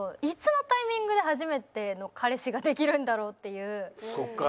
いつのタイミングで初めての彼氏ができるんだろうっていう。